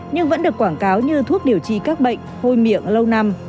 nhưng vẫn được quảng cáo như thuốc điều trị các bệnh hôi miệng lâu năm